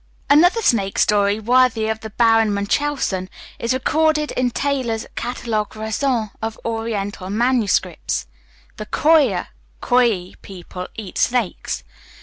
Another snake story, worthy of the Baron Münchausen, is recorded in Taylor's "Catalogue raisonné of Oriental Manuscripts." "The Coya (Koyi) people eat snakes.